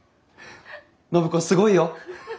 暢子すごいよ！